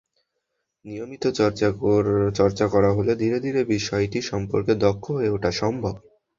নিয়মিত চর্চা করা হলে ধীরে ধীরে বিষয়টি সম্পর্কে দক্ষ হয়ে ওঠা সম্ভব।